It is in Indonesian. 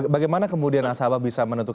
bagaimana kemudian mas sahabat bisa menentukan